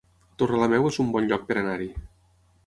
Torrelameu es un bon lloc per anar-hi